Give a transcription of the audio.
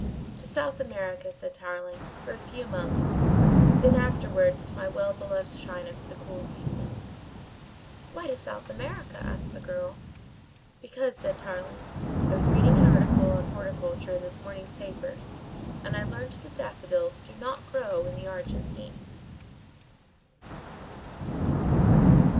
"To South America," said Tarling, "for a few months. Then afterwards to my well beloved China for the cool season." "Why to South America?" asked the girl. "Because," said Tarling, "I was reading an article on horticulture in this morning's papers and I learnt that daffodils do not grow in the Argentine."